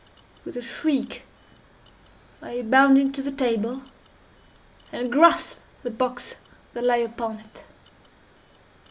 With a shriek I bounded to the table, and grasped the box that lay upon it.